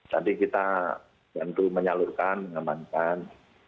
tadi kita bantu menyalurkan mengamankan